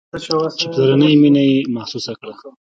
چې پلرنۍ مينه مې محسوسه كړه.